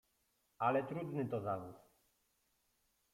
Ale trudny to zawód.